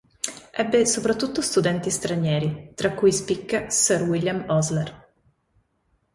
Ebbe soprattutto studenti stranieri tra cui spicca Sir William Osler.